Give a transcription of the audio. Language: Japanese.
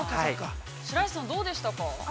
◆白石さん、どうでしたか。